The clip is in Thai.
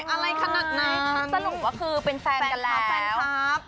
อ๊ายอะไรขนาดนั้นสนุกกว่าคือเป็นแฟนกันแล้ว